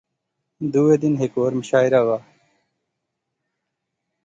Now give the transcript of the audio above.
دوہے دن ہیک ہور مشاعرہ واہ